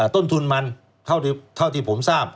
ต้นทุนมันเท่าที่ผมทราบ